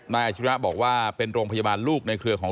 อาชิระบอกว่าเป็นโรงพยาบาลลูกในเครือของ